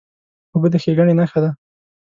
اوبه د ښېګڼې نښه ده.